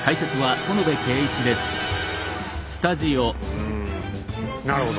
うんなるほど。